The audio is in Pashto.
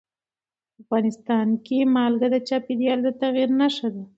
افغانستان کې نمک د چاپېریال د تغیر نښه ده.